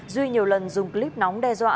duy nhiều lần dùng clip nóng đe dọa